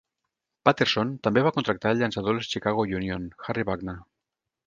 Patterson també va contractar el llançador dels Chicago Union, Harry Buckner.